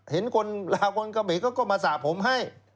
เห็นคนราวคนเกมก็มาสระผมให้